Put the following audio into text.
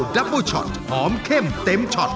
แปปเปอร์ช็อตหอมเข้มเต็มช็อต